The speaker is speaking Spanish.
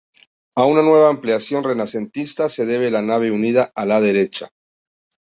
A una nueva ampliación renacentista se debe la nave unida a la derecha.